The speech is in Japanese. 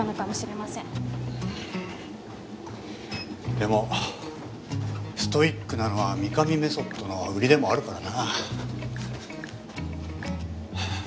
でもストイックなのは御神メソッドの売りでもあるからな。